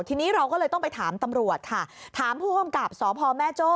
ทีนี้เราก็เลยต้องไปถามตำรวจค่ะถามผู้กำกับสพแม่โจ้